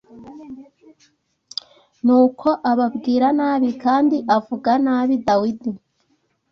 Nuko ababwira nabi kandi avuga nabi Dawidi.